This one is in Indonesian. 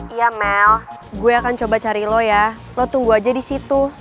iya mel gue akan coba cari lo ya lo tunggu aja di situ